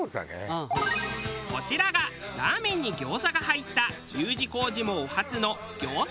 こちらがラーメンに餃子が入ったＵ字工事もお初の餃子ラーメン。